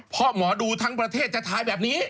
เพราะหมอดูทั้งประเทศจะทายแบบนี้